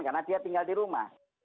karena dia tinggal di rumah